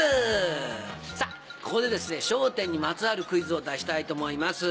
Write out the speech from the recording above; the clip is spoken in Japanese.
ここで『笑点』にまつわるクイズを出したいと思います。